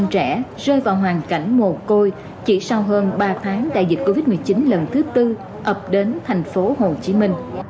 một năm trăm linh trẻ rơi vào hoàn cảnh mồ côi chỉ sau hơn ba tháng tại dịch covid một mươi chín lần thứ bốn ập đến thành phố hồ chí minh